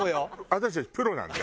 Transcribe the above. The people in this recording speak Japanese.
私たちプロなんで。